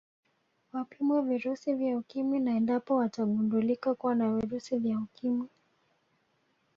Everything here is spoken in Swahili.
Wapimwe virusi vya Ukimwi na endapo watagundulika kuwa na virusi vya Ukimwi